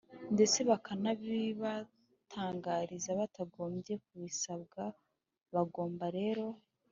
ndetse bakanabibatangariza batagombye kubisabwa. bagomba rero